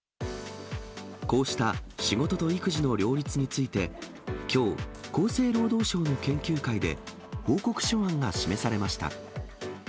こうした仕事と育児の両立について、きょう、厚生労働省の研究会で、報告書案が示されました。